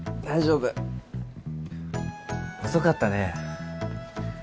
大丈夫遅かったね